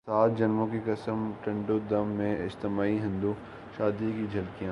سات جنموں کی قسم ٹنڈو دم میں اجتماعی ہندو شادی کی جھلکیاں